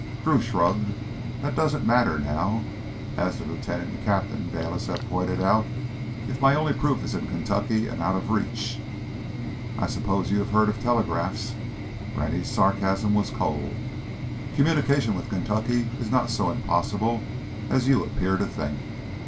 Drew shrugged. "That doesn't matter now—as the lieutenant and Captain Bayliss have pointed out—if my only proof is in Kentucky and out of reach." "I suppose you have heard of telegraphs?" Rennie's sarcasm was cold. "Communication with Kentucky is not so impossible as you appear to think.